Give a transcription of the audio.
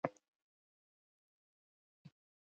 پروټوزوا یو حجروي ژوي دي